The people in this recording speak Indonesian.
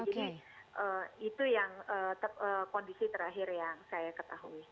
jadi itu yang kondisi terakhir yang saya ketahui